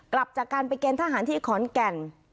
กลับจากการไปเกณฑหารที่ขอนแก่น